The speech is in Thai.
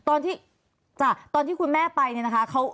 ตอนที่จะไปอยู่โรงเรียนนี้แปลว่าเรียนจบมไหนคะ